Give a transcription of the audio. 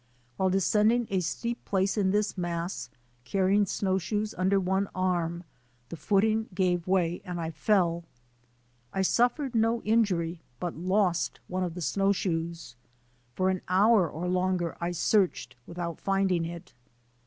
While descending a steep place in this mass, carrying snowshoes under one arm, the footing gave way and I fell. I suffered no injury but lost one of the snowshoes. For an hour or longer I searched, with out finding it.